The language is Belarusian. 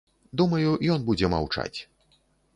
Думаю, ён будзе маўчаць.